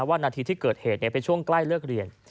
ว่านาทีที่เกิดเหตุเป็นช่วงใกล้เลิกเรียน